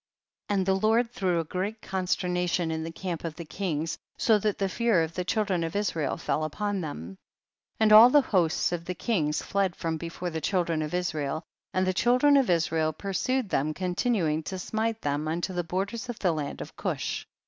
36. And the Lord threw a great consternation m the camp of the kings, so that the fear of the children of Israel fell upon them. 37. And all the hosts of the kings fled from before the children of Is rael, and the children of Israel pur sued them continuing to smite them unto the borders of the land of Gush.